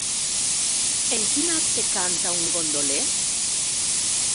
En quin acte canta un gondoler?